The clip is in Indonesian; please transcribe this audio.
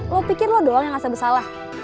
lo pikir lo doang yang asal bersalah